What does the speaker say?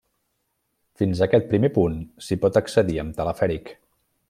Fins aquest primer punt s'hi pot accedir amb telefèric.